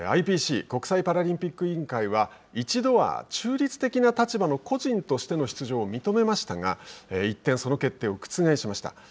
ＩＰＣ＝国際パラリンピック委員会は一度は中立的な立場の個人としての出場を認めましたが一転、その決定を覆しました。